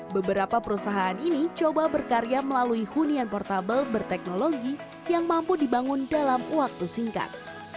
beberapa perusahaan ini coba berkarya melalui hunian portable berteknologi yang mampu dibangun dalam waktu singkat